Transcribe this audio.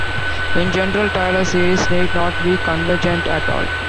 In general, Taylor series need not be convergent at all.